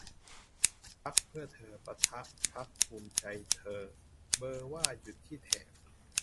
พรรคเพื่อเธอ ปะทะ พรรคภูมิใจเธอ เบอร์ว่าหยุดที่แถบ